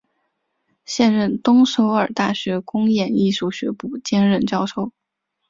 现任东首尔大学公演艺术学部兼任教授。